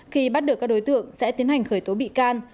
khi bắt được các đối tượng sẽ tiến hành khởi tố bị can